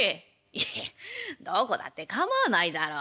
「いやどこだって構わないだろ。